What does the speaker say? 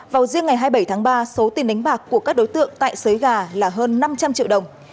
vào riêng ngày hai mươi bảy tháng ba số tiền đánh bạc của các đối tượng tại xới gà là hơn năm trăm linh triệu đồng